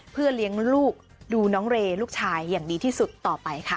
เพื่อเลี้ยงลูกดูน้องเรย์ลูกชายอย่างดีที่สุดต่อไปค่ะ